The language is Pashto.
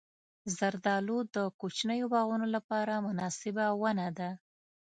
زردالو د کوچنیو باغونو لپاره مناسبه ونه ده.